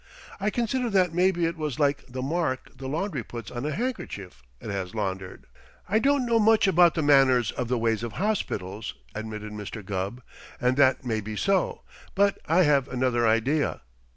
I considered that maybe it was like the mark the laundry puts on a handkerchief it has laundered." "I don't know much about the manners of the ways of hospitals," admitted Mr. Gubb, "and that may be so, but I have another idea.